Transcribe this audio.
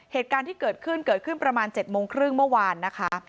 เหตุการณ์ที่เกิดขึ้นเกิดขึ้นประมาณ๗โมงครึ่งเมื่อวานนะคะ